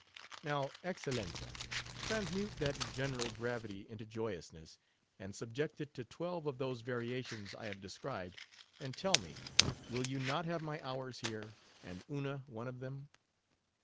Now, Excellenza, transmute that general gravity into joyousness, and subject it to twelve of those variations I have described, and tell me, will you not have my hours here, and Una one of them?